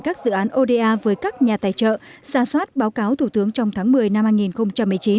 các dự án oda với các nhà tài trợ ra soát báo cáo thủ tướng trong tháng một mươi năm hai nghìn một mươi chín